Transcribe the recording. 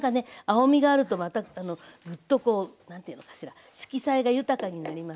青みがあるとまたグッとこう何ていうのかしら色彩が豊かになりますのでね。